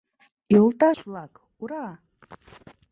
Йолташ-влак, ура!